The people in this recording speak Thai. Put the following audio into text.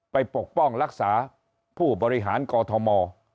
ปกป้องรักษาผู้บริหารกอทม